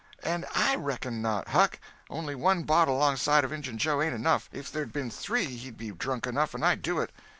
"And I reckon not, Huck. Only one bottle alongside of Injun Joe ain't enough. If there'd been three, he'd be drunk enough and I'd do it."